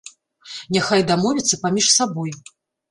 Няхай дамовяцца паміж сабой.